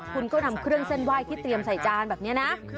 คุณก็นำเครื่องเส้นไหว้ที่เตรียมใส่จานแบบนี้นะ